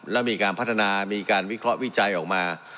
แล้วมีการพัฒนามีการวิเคราะห์วิจัยออกมา